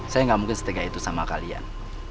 saya gak mungkin setingga itu sama kalian